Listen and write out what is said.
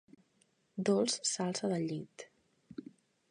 Dols s'alça del llit.